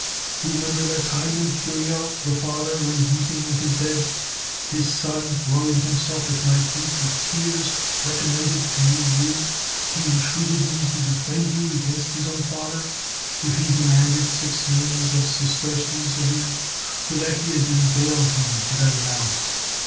Re member that time when Curio, tiie father, lay weeping in his bed ; his son throwing himself at my feet with tears recommended to me you ; he entreated me to defend you against his own father, if he demanded six millions of sesterces of you ; for that he had been bail for you to that amount.